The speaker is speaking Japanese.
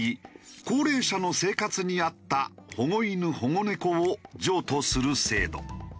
高齢者の生活に合った保護犬保護猫を譲渡する制度。